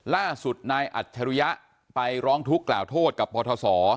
ล่าสุดนายอัจฉริยะไปร้องทุกข์กล่าวโทษกับปทศ